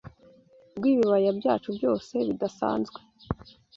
rwibibaya byacu byose bidasanzwe